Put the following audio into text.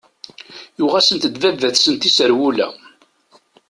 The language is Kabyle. Yuɣ-asent-d baba-tsent iserwula.